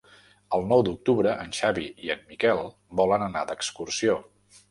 El nou d'octubre en Xavi i en Miquel volen anar d'excursió.